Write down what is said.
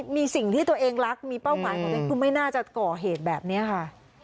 มีสิ่งที่ตัวเองรักมีเป้าหมายของตัวเองคือไม่น่าจะก่อเหตุแบบนี้ค่ะ